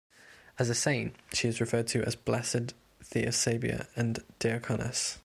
As a saint she is referred to as Blessed Theosebia the Deaconess.